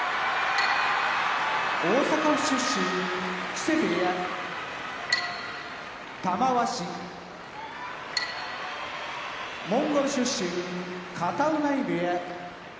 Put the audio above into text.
大阪府出身木瀬部屋玉鷲モンゴル出身片男波部屋